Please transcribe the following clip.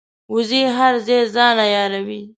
وزې هر ځای ځان عیاروي